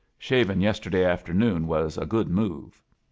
Sliavia' yesterday afternoon was a good move."